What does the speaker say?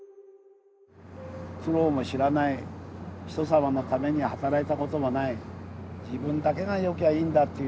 苦労も知らない人様のために働いたこともない自分だけが良きゃあいいんだっていう奴らがね